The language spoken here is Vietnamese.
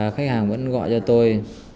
khách hàng vẫn gọi cho tôi